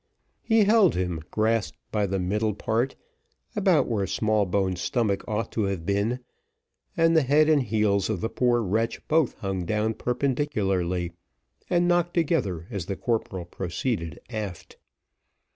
He held him, grasped by the middle part, about where Smallbones' stomach ought to have been, and the head and heels of the poor wretch both hung down perpendicularly, and knocked together as the corporal proceeded aft.